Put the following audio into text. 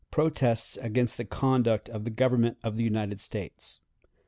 Protests against the Conduct of the Government of the United States.